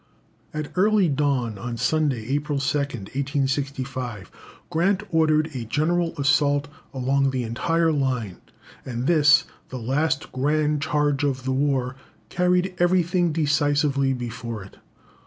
At early dawn on Sunday, April 2nd, 1865, Grant ordered a general assault along the entire line, and this, the last grand charge of the war, carried everything decisively before it.